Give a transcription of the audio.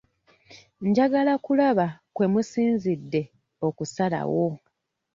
Njagala kulaba kwe musinzidde okusalawo.